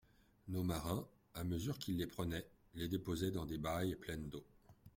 Nos marins, à mesure qu'ils les prenaient, les déposaient dans des bailles pleines d'eau.